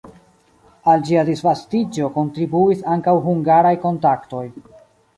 Al ĝia disvastiĝo kontribuis ankaŭ hungaraj kontaktoj.